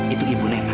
itu ibu nena